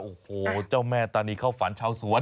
โอ้โหเจ้าแม่ตานีเข้าฝันชาวสวน